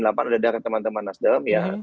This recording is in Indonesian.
ada dari teman teman nasdem